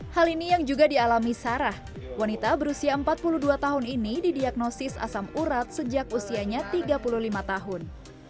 hal ini yang juga dialami sarah wanita berusia empat puluh dua tahun ini didiagnosis asam urat sejak usianya tiga puluh lima tahun